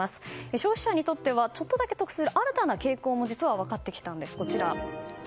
消費者にとってはちょっとだけ得をする新たな傾向も実は分かってきたんです。